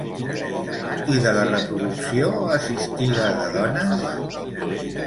I de la reproducció assistida de dones?